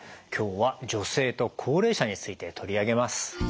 今日は女性と高齢者について取り上げます。